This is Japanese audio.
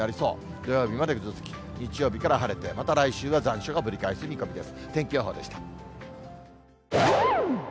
土曜日までぐずつき、日曜日から晴れて、また来週は残暑がぶり返洗っても落ちない